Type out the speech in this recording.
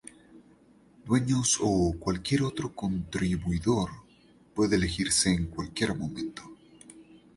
Dueños o cualquier otro contribuidor puede elegirse en cualquier momento.